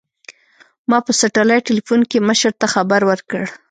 ما په سټلايټ ټېلفون کښې مشر ته خبر وركړ.